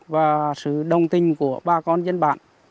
và sự đồng tình của bà con dân bản